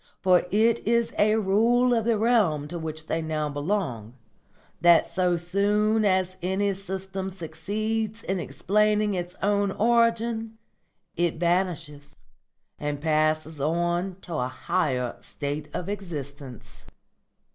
For it is a rule of the realm to which they now belong that so soon as any system succeeds in explaining its own origin it vanishes and passes on to a still higher state of existence."